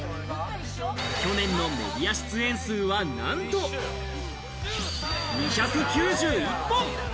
去年のメディア出演数はなんと２９１本！